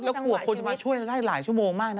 แล้วกลัวคนจะมาช่วยได้หลายชั่วโมงมากนะ